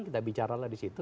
kita bicara lah di situ